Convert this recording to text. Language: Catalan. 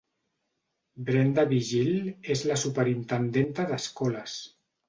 Brenda Vigil és la superintendenta d'escoles.